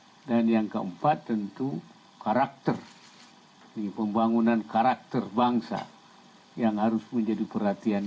hai dan yang keempat tentu karakter di pembangunan karakter bangsa yang harus menjadi perhatian